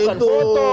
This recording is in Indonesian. ini bukan foto